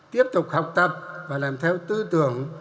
tiếp tục học tập và làm theo tư tưởng